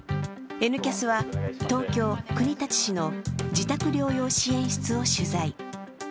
「Ｎキャス」は東京・国立市の自宅療養支援室を取材。